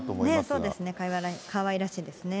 そうですね、かわいらしいですね。